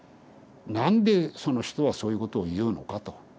なんでその人はそういうことを言うのかと。